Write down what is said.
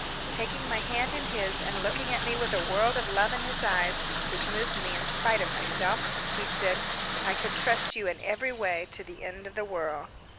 Taking my hand in his and looking at me with a world of love in his eyes, which moved me in spite of myself, he said: "I could trust you in every way to the end of the world."